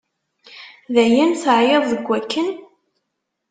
Dayen teεyiḍ deg akken?